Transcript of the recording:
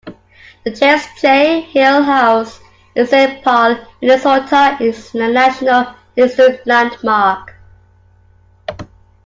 The James J. Hill House in Saint Paul, Minnesota is a National Historic Landmark.